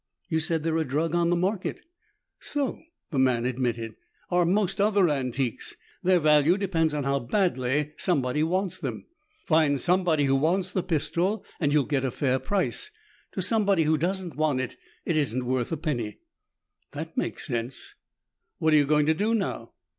"You said they're a drug on the market." "So," the man admitted, "are most other antiques. Their value depends on how badly somebody wants them. Find somebody who wants the pistol and you'll get a fair price. To somebody who doesn't want it, it isn't worth a penny." "That makes sense." "What are you going to do now?"